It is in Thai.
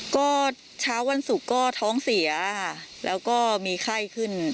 ก็เช้าวันศุกร์ก็ท้องเสียค่ะแล้วก็มีไข้ขึ้น